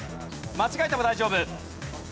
間違えても大丈夫。